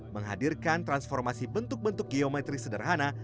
menghadirkan transformasi bentuk bentuk geometris sederhana